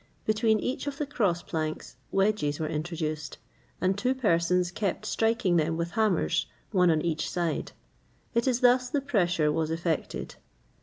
Between each of the cross planks wedges were introduced, and two persons kept striking them with hammers, one on each side; it is thus the pressure was effected.